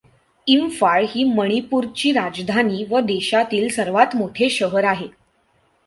इंफाळ ही मणिपूरची राजधानी व देशातील सर्वात मोठे शहर आहे.